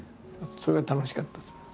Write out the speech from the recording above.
それが楽しかったですね。